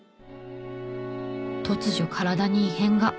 突如体に異変が。